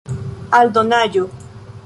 aldonaĵo